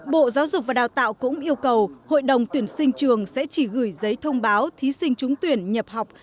bộ giáo dục và đào tạo cũng yêu cầu hội đồng tuyển sinh trường sẽ chỉ gửi giấy thông báo thí sinh trúng tuyển nhập học